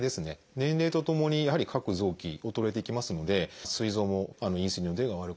年齢とともにやはり各臓器衰えていきますのですい臓もインスリンの出が悪くなる。